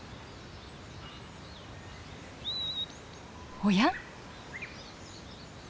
おや？